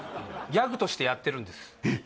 ギャグとしてやってるんですえっ！？